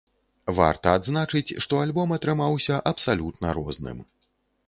Варта адзначыць, што альбом атрымаўся абсалютна розным.